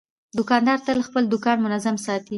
دوکاندار تل خپل دوکان منظم ساتي.